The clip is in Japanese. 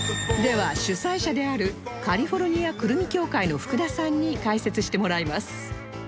では主催者であるカリフォルニアくるみ協会の福田さんに解説してもらいます